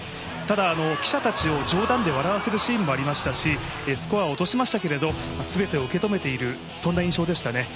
ただ、記者たちを冗談で笑わせるシーンもありましたしスコアを落としましたけどすべてを受け止めている、そんな印象でした。